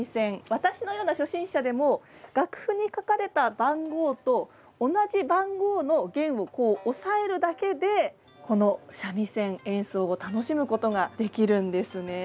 私のような初心者でも楽譜に書かれた番号と同じ番号の弦を押さえるだけでこの三味線演奏を楽しむことができるんですね。